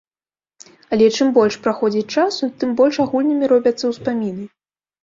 Але чым больш праходзіць часу, тым больш агульнымі робяцца ўспаміны.